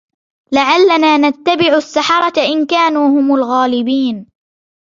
لعلنا نتبع السحرة إن كانوا هم الغالبين